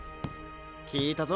きいたぞ